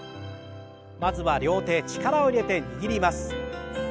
まずは両手力を入れて握ります。